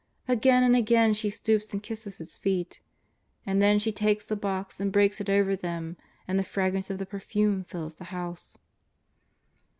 Again and again she stoops and kisses His feet. And then she takes the box and breaks it over them, and the fragrance of the perfume fills the house.